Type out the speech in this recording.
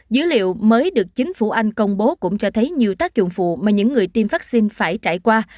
dữ liệu mới được chính phủ anh công bố cũng cho thấy nhiều tác dụng phụ mà những người tiêm vaccine phải trải qua